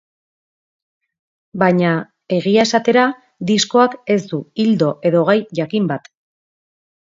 Baina, egia esatera, diskoak ez du ildo edo gai jakin bat.